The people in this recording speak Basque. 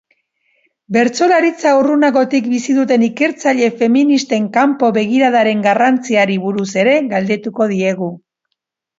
Bertsolaritza urrunagotik bizi duten ikertzaile feministen kanpo begiradaren garrantziari buruz ere galdetuko diegu.